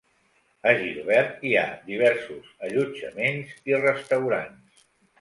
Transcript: A Gilbert hi ha diversos allotjaments i restaurants.